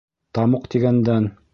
Тамуҡ тигәндән.